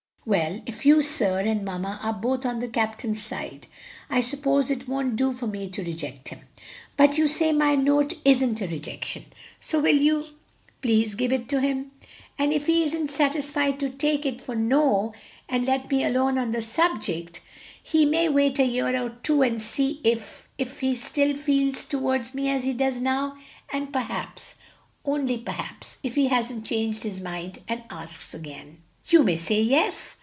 "Well, if you, sir, and mamma are both on the captain's side, I suppose it won't do for me to reject him. But you say my note isn't a rejection, so will you please give it to him? And if he isn't satisfied to take it for no and let me alone on the subject, he may wait a year or two and see if if he still feels toward me as he does now, and perhaps only perhaps if he hasn't changed his mind and asks again " "You may say yes?"